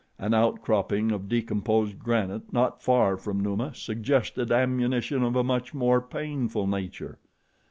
An out cropping of decomposed granite not far from Numa suggested ammunition of a much more painful nature.